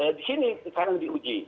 karena itu di sini sekarang diuji